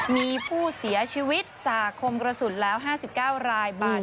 มีผู้เสียชีวิตจากคมกระสุนแล้ว๕๙ราย